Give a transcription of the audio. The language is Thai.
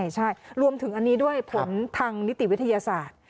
ใช่รวมถึงอันนี้ด้วยผลทางนิติวิทยาศาสตร์